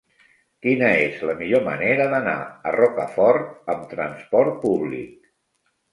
Quina és la millor manera d'anar a Rocafort amb transport públic?